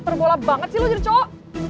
tergolak banget sih lu jadi cowok